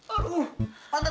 aduh pantat gue